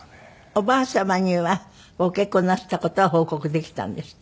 おばあ様にはご結婚なすった事は報告できたんですって？